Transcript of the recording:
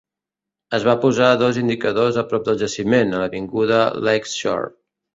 Es van posar dos indicadors a prop del jaciment, a l'avinguda Lakeshore.